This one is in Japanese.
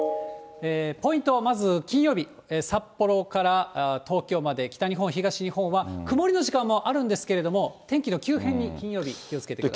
ポイントはまず金曜日、札幌から東京まで北日本、東日本は曇りの時間もあるんですけれども、天気の急変に、金曜日、気をつけてください。